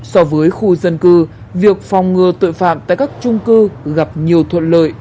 so với khu dân cư việc phòng ngừa tội phạm tại các trung cư gặp nhiều thuận lợi